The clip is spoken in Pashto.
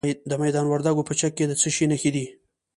د میدان وردګو په چک کې د څه شي نښې دي؟